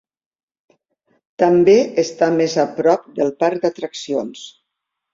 També està més a prop del parc d'atraccions.